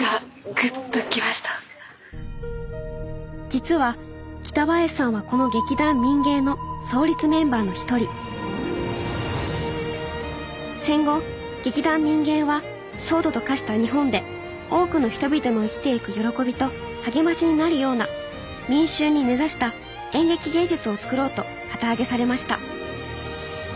実は北林さんはこの劇団民藝の戦後劇団民藝は焦土と化した日本で多くの人々の生きてゆく喜びと励ましになるような民衆に根ざした演劇芸術をつくろうと旗揚げされました。